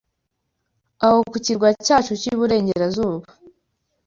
aho ku kirwa cyacu cyiburengerazuba